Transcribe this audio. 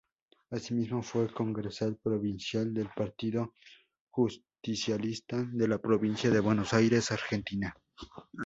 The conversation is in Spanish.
Asimismo fue Congresal Provincial del Partido Justicialista de la Provincia de Buenos Aires, Argentina.